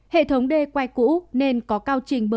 hệ thống đê quay cũ nên có cao trình bơi